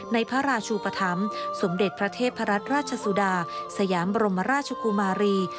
ในพระราชูปธรรมสมเด็จพระเทพรัตนราชสุดาสยามบรมราชกุมารี